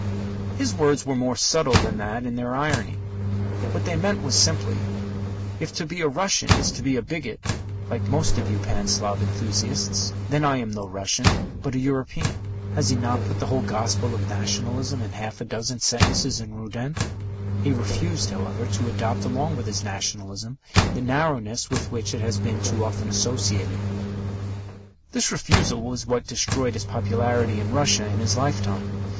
His words were more subtle than that in their irony. What they meant was simply: "If to be a Russian is to be a bigot, like most of you Pan Slav enthusiasts, then I am no Russian, but a European." Has he not put the whole gospel of Nationalism in half a dozen sentences in Rudin? He refused, however, to adopt along with his Nationalism the narrowness with which it has been too often associated. This refusal was what destroyed his popularity in Russia, in his lifetime.